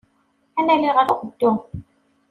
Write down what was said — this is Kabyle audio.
Ad nali ɣer uɣeddu.